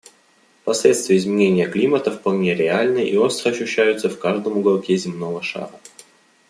Последствия изменения климата вполне реальны и остро ощущаются в каждом уголке земного шара.